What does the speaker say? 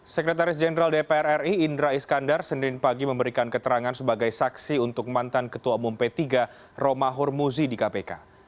sekretaris jenderal dpr ri indra iskandar senin pagi memberikan keterangan sebagai saksi untuk mantan ketua umum p tiga roma hurmuzi di kpk